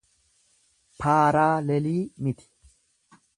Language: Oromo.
paaraalelii miti